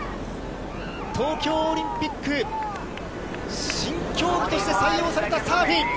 東京オリンピック、新競技として採用されたサーフィン。